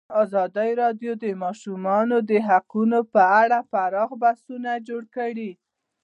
ازادي راډیو د د ماشومانو حقونه په اړه پراخ بحثونه جوړ کړي.